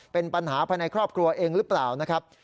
เป็นปัญหาภายในครอบครัวเองหรือเปล่านะครับ